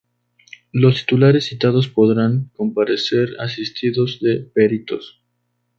Los titulares citados podrán comparecer asistidos de peritos.